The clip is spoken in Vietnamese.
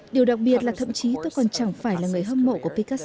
điều đặc biệt là thậm chí tôi còn chẳng phải là người hợp tác của picasso